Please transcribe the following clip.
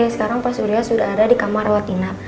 sekarang pak surya sudah ada di kamar latina